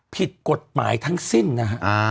ผิดกฎหมายทั้งสิ้นนะฮะ